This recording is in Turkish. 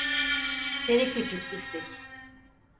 Seni küçük pislik!